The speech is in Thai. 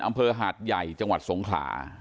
อำเภอหาดใหญ่จังหวัดสงขลา